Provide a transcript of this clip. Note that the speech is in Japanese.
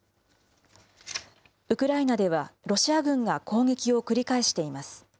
ウクライナでは、ロシア軍が攻撃を繰り返しています。